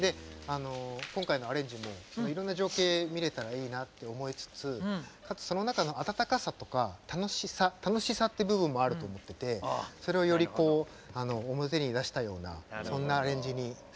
今回のアレンジもいろんな情景見れたらいいなって思いつつかつその中の温かさとか楽しさって部分もあると思っててそれをより表に出したようなそんなアレンジにさせていただきました。